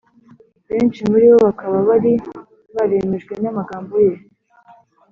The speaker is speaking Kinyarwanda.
, benshi muri bo bakaba bari baremejwe n’amagambo Ye